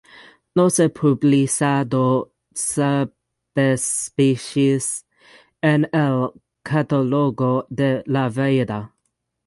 No se publicado subespecies en el Catálogo de la Vida.